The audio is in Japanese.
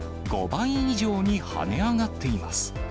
５倍以上に跳ね上がっています。